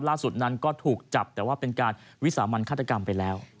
ล่าสุดนั้นก็ถูกจับแต่ว่าเป็นการวิสามันฆาตกรรมไปแล้ว